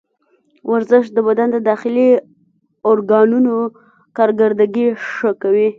ورزش د بدن د داخلي ارګانونو کارکردګي ښه کوي.